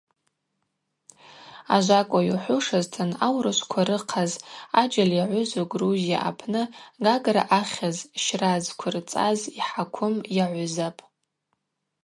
Ажвакӏла йухӏвушызтын, аурышвква рыхъаз аджьаль йагӏвызу Грузия апны Гагра ахьыз щра зквырцӏаз йхӏаквым йагӏвызапӏ.